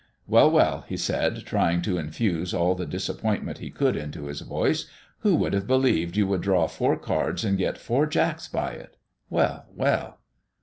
"Well, well!" he said, trying to infuse all the disappointment he could into his voice, "who would have believed you would draw four cards and get four jacks by it? Well, well!"